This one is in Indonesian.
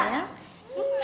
bagaimana dia irene